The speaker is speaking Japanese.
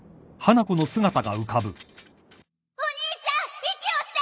お兄ちゃん息をして！